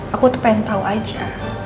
aku tuh pengen tau aja